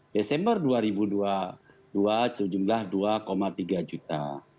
desember dua ribu dua puluh dua sejumlah dua tiga juta